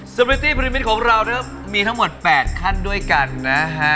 สริตี้พริมิตของเราเนอะมีทั้งหมด๘ขั้นด้วยกันนะฮะ